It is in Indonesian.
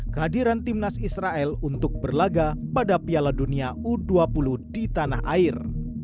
kehadiran timnas israel untuk berlaga pada piala dunia u dua puluh di tanah air